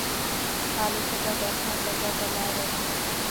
الوتکه د اسمان سفر ته لاره ده.